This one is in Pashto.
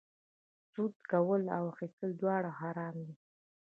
سود کول او اخیستل دواړه حرام دي